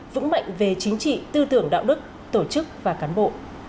vững mạnh về chính trị tư tưởng đạo đức tổ chức và cán bộ